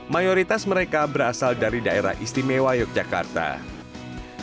mayoritas mereka berasal dari daerah istana tukoni dan mereka juga berusaha untuk menjaga kepentingan kualitas